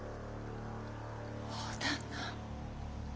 大旦那。